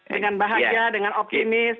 dengan bahagia dengan optimis